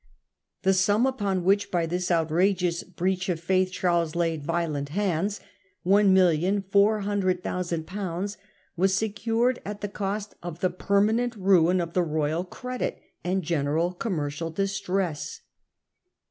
The sum upon which by this outrageous breach of faith Charles laid violent hands, 1,400,000/., was secured at the cost of the permanent ruin of the royal credit and general commercial distress.